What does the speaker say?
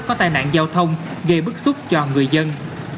có tai nạn giao thông gây bức xúc cho người dân